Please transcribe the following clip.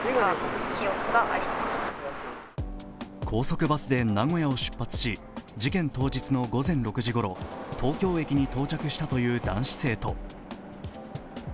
高速バスで名古屋を出発し事件当日の午前６時ごろ東京駅に到着したという男子生徒。